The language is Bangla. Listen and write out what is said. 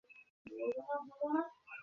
আপনি কোনো ওষুধ দিবেন না।